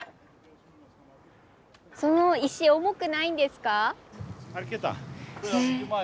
その石重くないんですか？